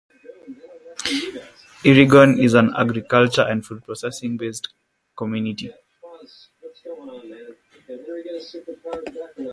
Irrigon is an agriculture and food processing based community.